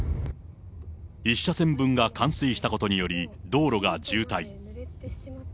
１車線分が冠水したことにより、道路が渋滞。